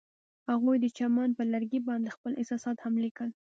هغوی د چمن پر لرګي باندې خپل احساسات هم لیکل.